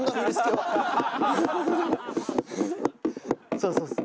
そうですそうです。